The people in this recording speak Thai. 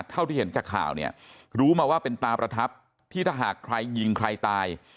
เท่าที่เห็นจากข่าวเนี่ยรู้มาว่าเป็นตาประทับที่ถ้าหากใครยิงใครตาย